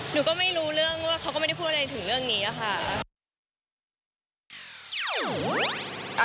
หนูก็ไม่รู้เรื่องเค้าเขาคุยอะไรถึงเรื่องนี้ค่ะ